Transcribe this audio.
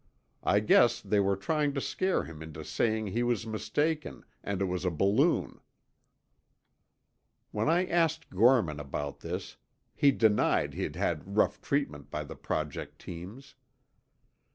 I guess they were trying to scare him into saying he was mistaken, and it was a balloon." When I asked Gorman about this, he denied he'd had rough treatment by the Project teams.